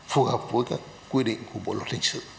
phù hợp với các quy định của bộ luật lịch sử